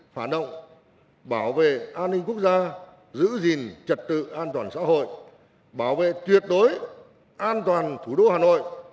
phản động bảo vệ an ninh quốc gia giữ gìn trật tự an toàn xã hội bảo vệ tuyệt đối an toàn thủ đô hà nội